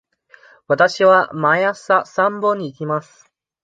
わたしは毎朝散歩に行きます。